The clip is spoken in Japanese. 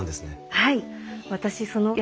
はい。